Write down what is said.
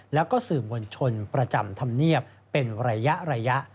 แล้วก็สื่อมวลชนประจำธรรมเนียบเป็นระยะ